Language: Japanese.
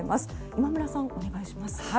今村さん、お願いします。